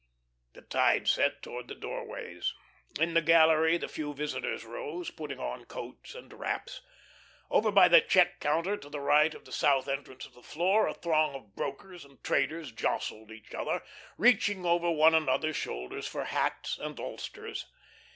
The tide set toward the doorways. In the gallery the few visitors rose, putting on coats and wraps. Over by the check counter, to the right of the south entrance to the floor, a throng of brokers and traders jostled each other, reaching over one another's shoulders for hats and ulsters.